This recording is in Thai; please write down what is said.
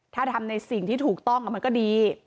ถ้าทำในสิ่งที่ถูกต้องมันก็ดี